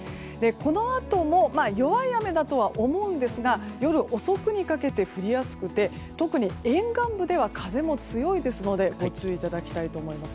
このあとも弱い雨だとは思うんですが夜遅くにかけて降りやすくて特に沿岸部では風も強いのでご注意ください。